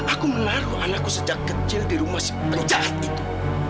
aku menaruh anakku sejak kecil di rumah si penjahat itu